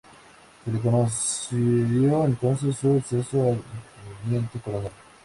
Se le concedió entonces su ascenso a teniente coronel.